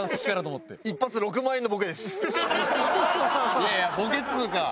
いやいやボケっつうか。